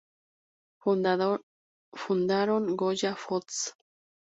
Fundaron Goya Foods.